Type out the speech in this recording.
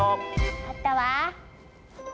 分かったわ！